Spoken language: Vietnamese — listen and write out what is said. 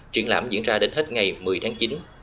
triển lãm diễn ra đến hết ngày một mươi tháng chín